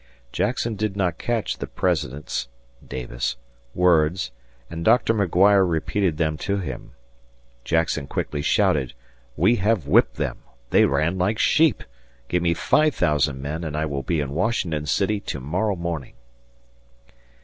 Jackson did not catch the President's (Davis) words and Doctor McGuire repeated them to him. Jackson quickly shouted, "We have whipped them! They ran like sheep! Give me 5000 men and I will be in Washington City tomorrow morning."